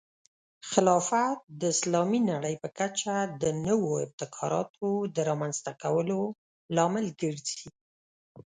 خلافت د اسلامي نړۍ په کچه د نوو ابتکاراتو د رامنځته کولو لامل ګرځي.